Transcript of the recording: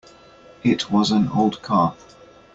It was an old car.